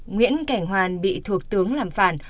nguyễn cảnh hoan bị thuộc tướng làm phản